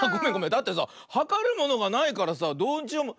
だってさはかるものがないからさどうしようも。